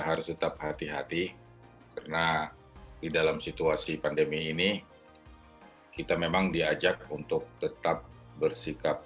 harus tetap hati hati karena di dalam situasi pandemi ini kita memang diajak untuk tetap bersikap